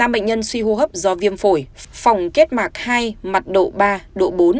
năm bệnh nhân suy hô hấp do viêm phổi phòng kết mạc hai mặt độ ba độ bốn